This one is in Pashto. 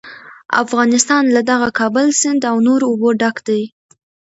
افغانستان له دغه کابل سیند او نورو اوبو ډک دی.